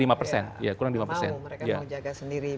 mereka mau jaga sendiri